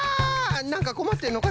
なんかこまってるのか？